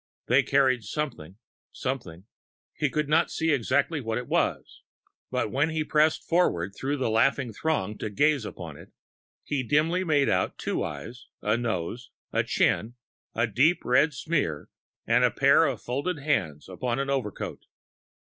They carried something ... something ... he could not see exactly what it was. But when he pressed forward through the laughing throng to gaze upon it, he dimly made out two eyes, a nose, a chin, a deep red smear, and a pair of folded hands upon an overcoat.